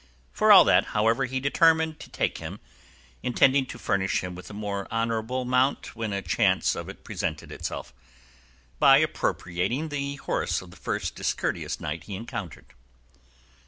For all that, however, he determined to take him, intending to furnish him with a more honourable mount when a chance of it presented itself, by appropriating the horse of the first discourteous knight he encountered.